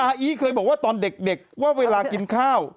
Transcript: อีเคยบอกว่าตอนเด็กว่าเวลากินข้าว